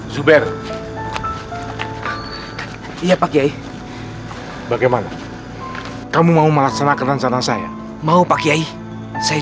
zuber iya pak kiai bagaimana kamu mau melaksanakan rencana saya mau pak kiai saya